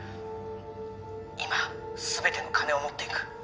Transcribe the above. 今全ての金を持っていく